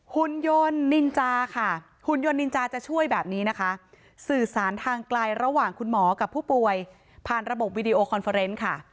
หุ่นยนต์นินจาค่ะหุ่นยนต์นินจาจะช่วยแบบนี้นะคะสื่อสารทางไกลระหว่างคุณหมอกับผู้ป่วยผ่านระบบวิดีโอคอนเฟอร์เนส์ค่ะ